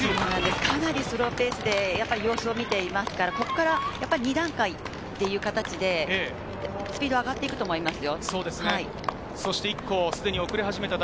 かなりスローペースで様子を見ていますから、ここから２段階という形でスピードが上がっていくと思いますよ。